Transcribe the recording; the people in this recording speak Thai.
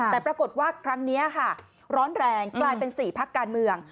แต่ปรากฏว่าครั้งนี้ค่ะร้อนแรงกลายเป็น๔พักการเมือง